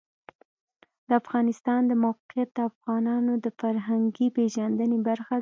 د افغانستان د موقعیت د افغانانو د فرهنګي پیژندنې برخه ده.